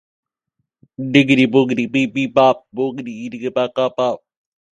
Rojas enacted legislation that gave women equal rights to vote.